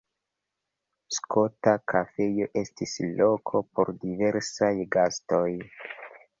Skota Kafejo estis loko por diversaj gastoj.